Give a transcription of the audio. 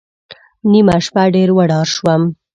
نیمه شپه ډېر وډار شوم.